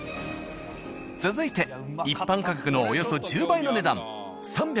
続いて一般価格のおよそ１０倍の値段３５０ｇ